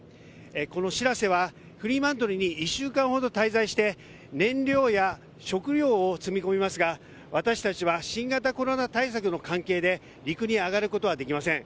この「しらせ」はフリーマントルに１週間ほど滞在して燃料や食料を積み込みますが私たちは新型コロナ対策の関係で陸に上がることはできません。